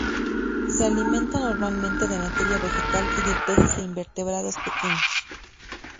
Se alimentan normalmente de materia vegetal y de peces e invertebrados pequeños.